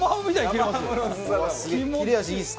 切れ味いいですか？